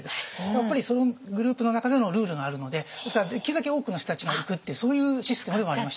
やっぱりそのグループの中でのルールがあるのでですからできるだけ多くの人たちが行くっていうそういうシステムでもありました。